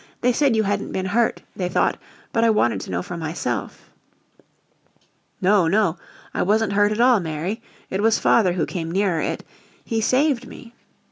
They said you hadn't been hurt, they thought, but I wanted to know for myself." "No, no, I wasn't hurt at all Mary. It was father who came nearer it. He saved me."